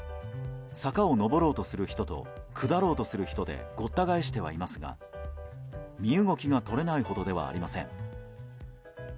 坂を上ろうとする人と下ろうとする人でごった返してはいますが身動きが取れないほどではありません。